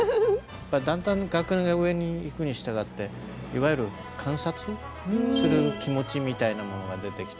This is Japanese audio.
だんだん学年が上にいくにしたがっていわゆる観察する気持ちみたいなものが出てきて。